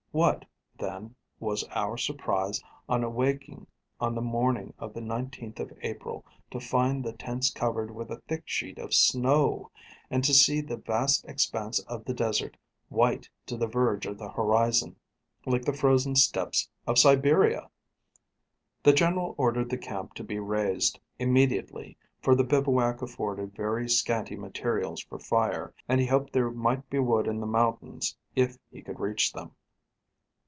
What, then, was our surprise, on awaking on the morning of the 19th of April, to find the tents covered with a thick sheet of snow, and to see the vast expanse of the desert white to the verge of the horizon, like the frozen steppes of Siberia! The general ordered the camp to be raised immediately, for the bivouac afforded very scanty materials for fire, and he hoped there might be wood in the mountains if he could reach them.